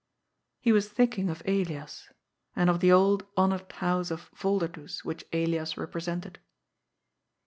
He was thinking of Elias. And of the old, honoured house of Volderdoes which Elias represented.